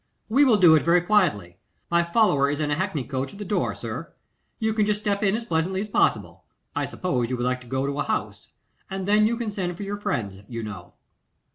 We will do it very quietly. My follower is in a hackney coach at the door, sir. You can just step in as pleasant as possible. I suppose you would like to go to a house, and then you can send for your friends, you know.